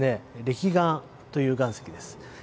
れき岩という岩石です。